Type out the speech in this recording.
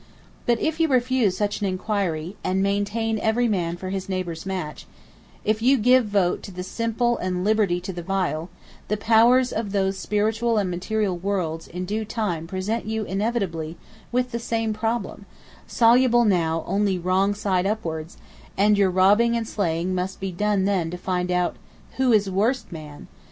But if you refuse such inquiry, and maintain every man for his neighbor's match, if you give vote to the simple and liberty to the vile, the powers of those spiritual and material worlds in due time present you inevitably with the same problem, soluble now only wrong side upwards; and your robbing and slaying must be done then to find out, 'Who is worst man?'